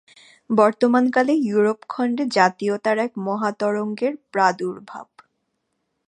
বর্তমানকালে ইউরোপখণ্ডে জাতীয়তার এক মহাতরঙ্গের প্রাদুর্ভাব।